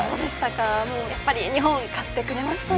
やっぱり日本勝ってくれましたね。